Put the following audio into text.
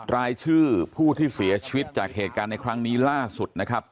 รายชื่อผู้ที่เสียชีวิตจากเหตุการณ์ในครั้งนี้ล่าสุดนะครับ